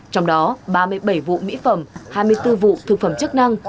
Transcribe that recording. trong đó ba mươi bảy vụ mỹ phẩm hai mươi bốn vụ thực phẩm chức năng